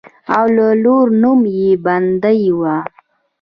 او د لور نوم يې بندۍ وۀ